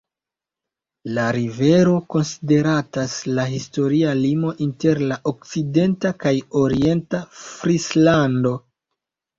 La rivero konsideratas la historia limo inter la okcidenta kaj orienta Frislando.